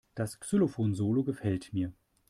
Das Xylophon-Solo gefällt mir.